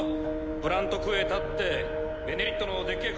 プラント・クエタって「ベネリット」のでっけぇ